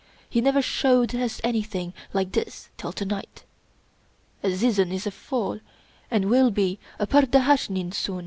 He never showed us anything like this till to night. Azizun is a fool, and will be a pur dahnashin soon.